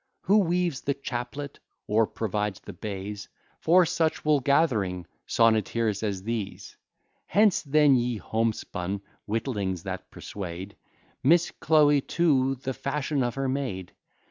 Who weaves the chaplet, or provides the bays, For such wool gathering sonnetteers as these? Hence, then, ye homespun witlings, that persuade Miss Chloe to the fashion of her maid.